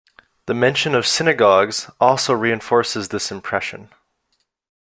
The mention of synagogues also reinforces this impression.